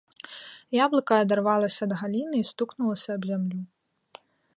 Яблыка адарвалася ад галіны і стукнулася аб зямлю.